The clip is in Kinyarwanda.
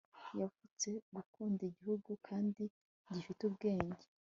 Yavutse gukunda igihugu kandi gifite ubwenge